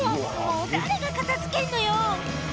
もう誰が片付けんのよ